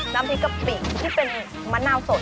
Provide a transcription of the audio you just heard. น้ำพริกกะปิที่เป็นมะนาวสด